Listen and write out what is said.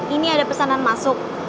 ini ada pesanan masuk